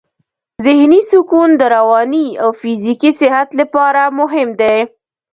ذهني سکون د رواني او فزیکي صحت لپاره مهم دی.